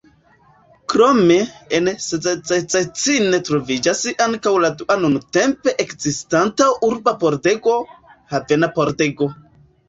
Krome, en Szczecin troviĝas ankaŭ la dua nuntempe ekzistanta urba pordego: Havena Pordego.